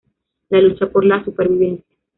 La lucha por la supervivencia.